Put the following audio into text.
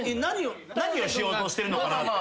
何をしようとしてるのかな？